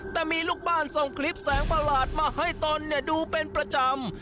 แต่มีลูกบ้านส่งคลิปแสงประหลาดมาให้ตนดูเป็นประจำ